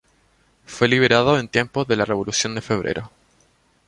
Fue liberado en tiempos de la revolución de febrero.